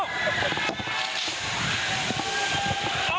โอ๊ะ